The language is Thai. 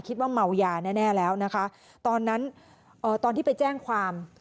คิดว่าเมายาแน่แน่แล้วนะคะตอนนั้นเอ่อตอนที่ไปแจ้งความ